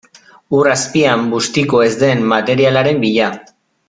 Ur azpian bustiko ez den materialaren bila.